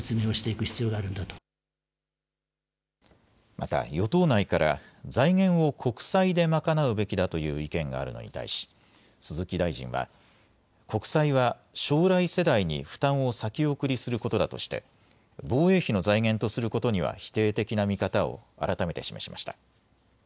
また与党内から財源を国債で賄うべきだという意見があるのに対し、鈴木大臣は国債は将来世代に負担を先送りすることだとして防衛費の財源とすることには否定的な見方を改めて示しました。